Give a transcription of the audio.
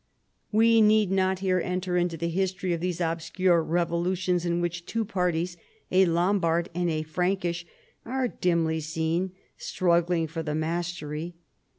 We need not here enter into the history of these obscure revolutions in which two parties, a Lombard and a Frankish, are dimly seen struggling for the mastery.